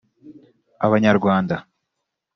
abanyarwanda